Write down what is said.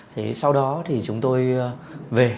thì sau đó thì chúng tôi về